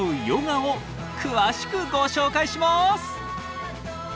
ヨガを詳しくご紹介します！